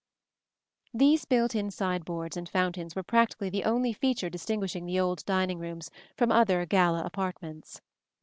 ] These built in sideboards and fountains were practically the only feature distinguishing the old dining rooms from other gala apartments.